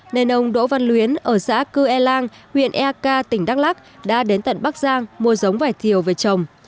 nên ông đỗ văn luyến ở xã cư e lang huyện eka tỉnh đắk lắc đã đến tận bắc giang mua giống vải thiều về trồng